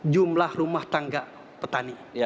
jumlah rumah tangga petani